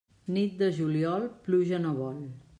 Nit de juliol, pluja no vol.